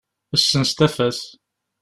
Ssens tafat!